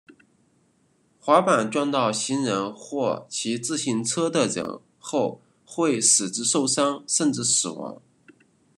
滑板撞到行人或骑自行车的人后会使之受伤甚至死亡。